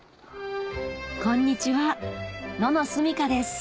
こんにちは野々すみ花です